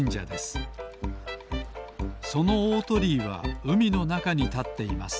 そのおおとりいはうみのなかにたっています